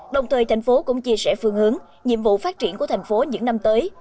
đồng thời thành phố cũng chia sẻ phương hướng nhiệm vụ phát triển của thành phố những năm tới